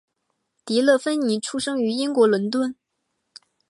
迪乐芬妮出生于英国伦敦。